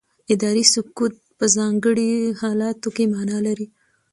اداري سکوت په ځانګړو حالاتو کې معنا لري.